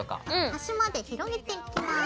端まで広げていきます。